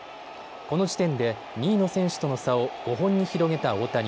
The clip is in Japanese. この時点で２位の選手との差を５本に広げた大谷。